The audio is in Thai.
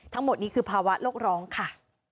ทั้งหมดนี้คือภาวะโลกร้องค่ะ